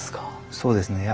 そうですね。